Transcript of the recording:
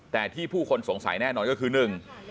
แต่ที่ผู้คนสงสัยแน่นอนคือ